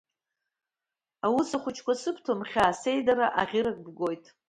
Аус хәыҷқәа сыбҭом хьаас, сеидара аӷьырак бгоит.